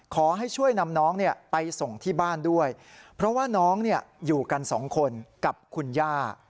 ขอให้ช่วยนำน้องไปส่งที่บ้านด้วยเพราะว่าน้องอยู่กันสองคนกับคุณย่า